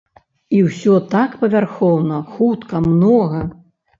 І ўсё так павярхоўна, хутка, многа.